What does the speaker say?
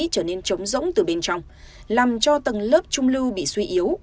trở nên trống rỗng từ bên trong làm cho tầng lớp trung lưu bị suy yếu